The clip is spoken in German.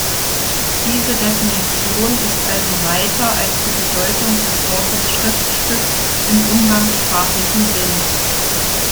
Diese Definition ist also weiter als die Bedeutung des Wortes „Schriftstück“ im umgangssprachlichen Sinn.